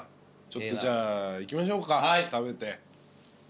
ちょっとじゃあ行きましょうか食べて。